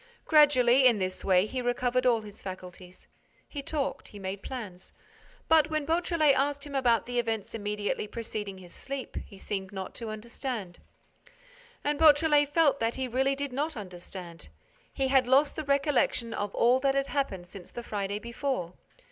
Gradually, in this way, he recovered all his faculties. He talked. He made plans. But, when Beautrelet asked him about the events immediately preceding his sleep, he seemed not to understand. And Beautrelet felt that he really did not understand. He had lost the recollection of all that had happened since the Friday before.